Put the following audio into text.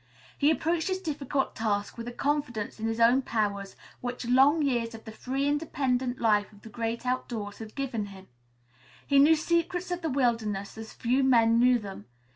He approached his difficult task with a confidence in his own powers which long years of the free, independent life of the great outdoors had given him. He knew the secrets of the wilderness as few men knew them.